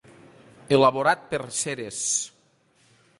Elaborat per Ceres.